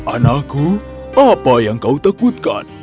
anakku apa yang kau takutkan